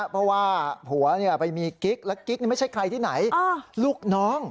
เพราะว่าผัวเนี่ยมันมีกริ๊กแล้วกริ๊กไม่ใช่ใครที่ไหนลูกน้อง